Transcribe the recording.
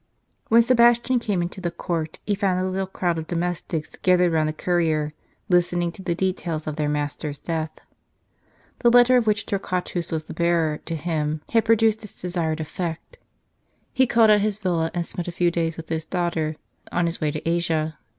HEN Sebastian came into the court, he found a little crowd of domestics gath ered round the courier, listening to the details of their master's death. The letter of which Torquatus was the bearer to him, had produced its desired effect. He called at his villa, and spent a few^ days with his daughter, on his way to Asia.